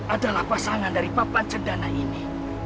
adalah pasangan dari papan cendana ini